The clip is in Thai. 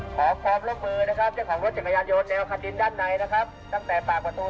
ขอพร้อมร่วมมือเจ้าของรถจังกายานโยดแนวคทิศด้านใน